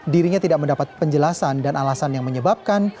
dirinya tidak mendapat penjelasan dan alasan yang menyebabkan